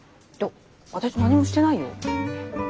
私何もしてないよ。